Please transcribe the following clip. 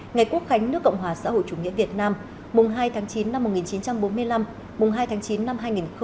ngày quốc khánh nước cộng hòa xã hội chủ nghĩa việt nam mùng hai tháng chín năm một nghìn chín trăm bốn mươi năm mùng hai tháng chín năm hai nghìn hai mươi